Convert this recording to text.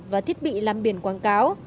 và thiết bị làm biển quảng cáo